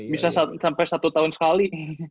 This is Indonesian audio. bisa sampai satu tahun sekali